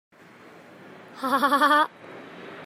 That is very interesting.